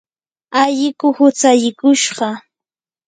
alliku hutsallikushqa.